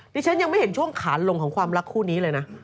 ฉันยังไม่เห็นช่วงขานลงของความรักคู่นี้เลยนะ